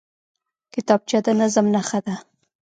کتابچه د نظم نښه ده